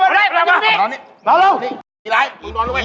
เอามาระวัง